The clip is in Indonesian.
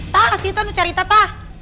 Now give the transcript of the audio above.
tahu sih tahu cerita tahu